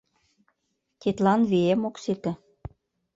Тидлан вием ок сите.